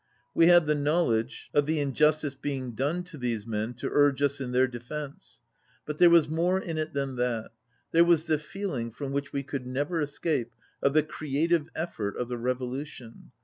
We had the knowledge of the injustice being done to these men to urge us in their de fence. But there was more in it than that. There was the feeling, from which we could never escape, of the creative effort of the revolution.